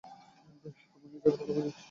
আমরা নিজের ভালো বুঝি।